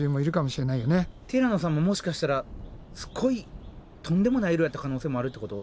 ティラノさんももしかしたらすっごいとんでもない色やった可能性もあるってこと？